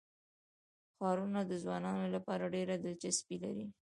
ښارونه د ځوانانو لپاره ډېره دلچسپي لري.